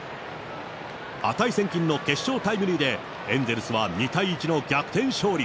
値千金の決勝タイムリーでエンゼルスは２対１の逆転勝利。